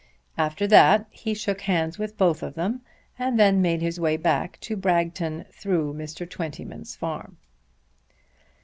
After that he shook hands with both of them, and then made his way back to Bragton through Mr. Twentyman's farm.